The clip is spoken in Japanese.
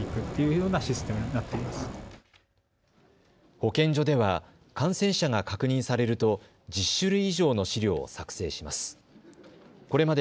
保健所では感染者が確認されると１０種類以上の資料を作成します。